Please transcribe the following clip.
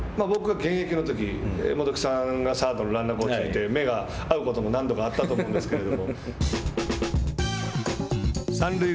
僕が現役のとき元木さんがサードのランナーコーチにいて目が合うことも何度かあったと思うんですけど。